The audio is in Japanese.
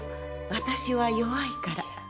私は弱いから」。